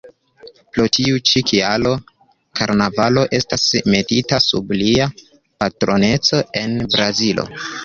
Pro tiu ĉi kialo, karnavalo estas metita sub lia patroneco en Brazilo.